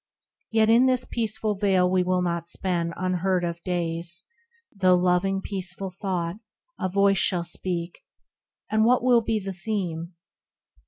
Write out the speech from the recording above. Yet in this peaceful Vale we will not spend Unheard of days, though loving peaceful thought, A voice shall speak, and what will be the theme